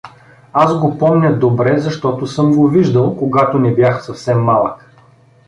Аз го помня добре, защото съм го виждал, когато не бях съвсем малък.